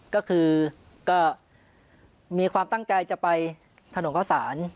ก็คือก็มีความตั้งใจจะไปถนนข้าวสาร